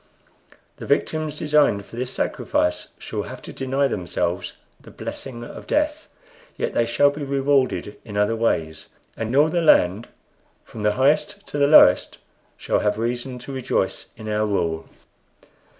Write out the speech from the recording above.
The victims designed for this sacrifice shall have to deny themselves the blessing of death, yet they shall be rewarded in other ways; and all the land from the highest to the lowest shall have reason to rejoice in our rule.